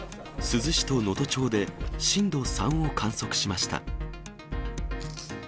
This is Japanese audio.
珠洲市と能登町で震度３を観測しました。